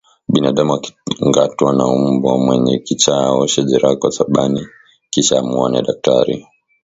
Binadamu akingatwa na mbwa mwenye kichaa aoshe jeraha kwa sabani kisha amuone daktari